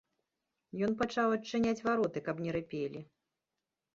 Ён пачаў адчыняць вароты, каб не рыпелі.